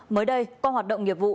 mới đây qua hoạt động nghiệp vụ